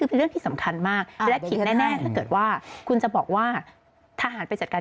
บริหารราชการแผ่นดิน